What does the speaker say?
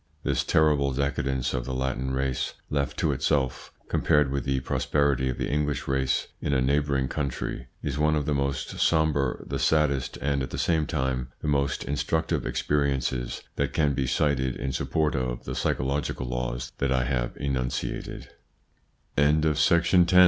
This terrible decadence of the Latin race, left to itself, compared with the prosperity of the English race in a neighbouring country, is one of the most sombre, the saddest, and, at the same time, the most instructive experiences that can be cited in support of the psychological laws that I have